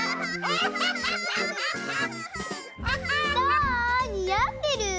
どう？にあってる？